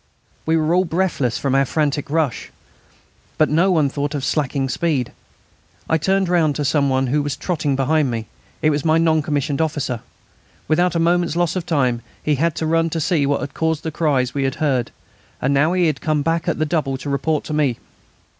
We were all breathless from our frantic rush. But no one thought of slackening speed. I turned round to some one who was trotting behind me. It was my non commissioned officer. Without a moment's loss of time he had run to see what had caused the cries we had heard, and now he had come back at the double to report to me.